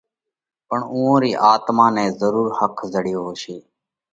پڻ اُوئون رِي آتما نئہ ضرُور ۿک زڙيو هوشي۔